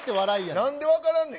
なんで分からんねん。